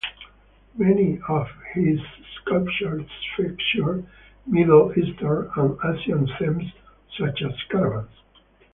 Many of his sculptures featured Middle Eastern and Asian themes, such as caravans.